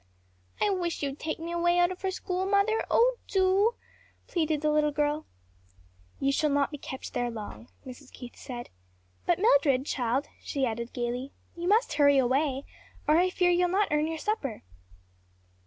"I wish you'd take me away out of her school, mother, oh do," pleaded the little girl. "You shall not be kept there long," Mrs. Keith said. "But Mildred, child," she added gayly, "you must hurry away or I fear you'll not earn your supper."